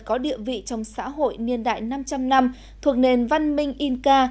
có địa vị trong xã hội niên đại năm trăm linh năm thuộc nền văn minh inca